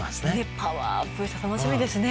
パワーアップして楽しみですね。